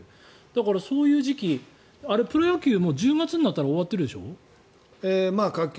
だから、そういう時期あれ、プロ野球は１０月になったら終わってるでしょ？